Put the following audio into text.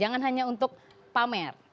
jangan hanya untuk pamer